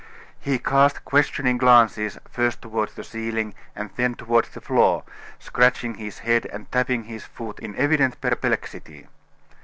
He cast questioning glances first toward the ceiling and then toward the floor, scratching his head and tapping his foot in evident perplexity.